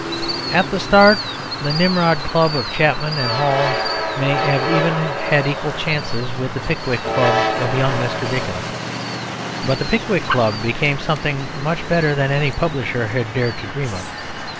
At the start the Nimrod Club of Chapman and Hall may have even had equal chances with the Pickwick Club of young Mr. Dickens; but the Pickwick Club became something much better than any publisher had dared to dream of.